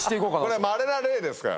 これはまれな例ですからね。